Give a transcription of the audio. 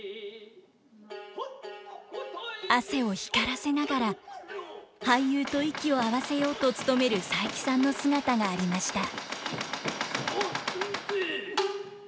汗を光らせながら俳優と息を合わせようと努める佐伯さんの姿がありました。